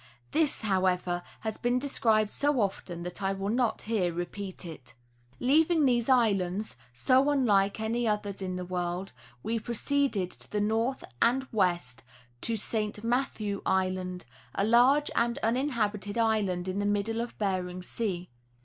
This, however, has been described so often that I will not here repeat it. Leaving these islands, so unlike any others in the world, we proceeded to the north and west to St. Mathew Island, a large and uninhabited island in the middle of Bering sea.